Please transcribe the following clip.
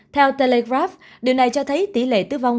theo telegrab điều này cho thấy tỷ lệ tử vong